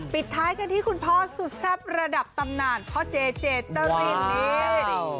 ปิดท้ายกันที่คุณพ่อสุดแซ่บระดับตำนานพ่อเจเจตรินนี่